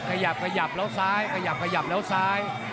ขยับแล้วซ้ายขยับแล้วซ้าย